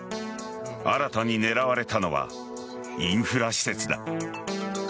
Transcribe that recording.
新たに狙われたのはインフラ施設だ。